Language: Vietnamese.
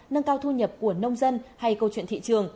nâng cao thu nhập của nông dân hay câu chuyện thị trường